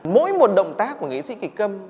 mỗi một động tác của nghề diễn dịch kỳ câm